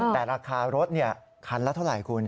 แต่ราคารถคันละเท่าไหร่คุณ